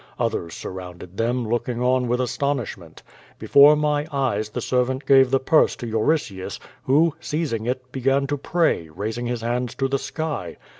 Others surrounded them, looking on with astonishment. Before my eyes the servant gave the purse to Euritius, who, seizing it, began to pray, raising his hands to the sky.